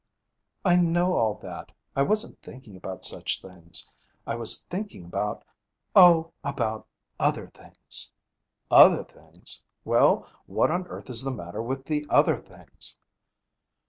'I know all that. I wasn't thinking about such things. I was thinking about oh, about other things.' 'Other things? Well, what on earth is the matter with the other things?